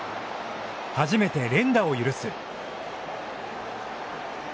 初めて連打を許す。